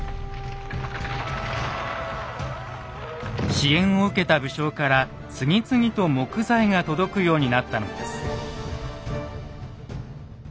支援を受けた武将から次々と木材が届くようになったのです。